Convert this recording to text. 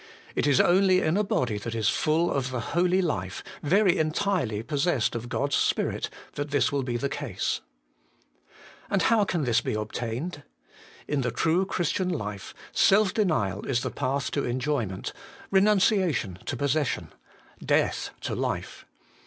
It is only in a body that is full of the holy life, very entirely possessed of God's Spirit, that this will be the case. 206 HOLY IN CHRIST. And how can this be obtained ? In the true Christian life, self denial is the path to enjoyment, renunciation to possession, death to life.